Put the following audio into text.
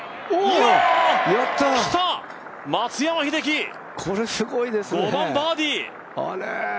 来た、松山英樹、５番バーディー。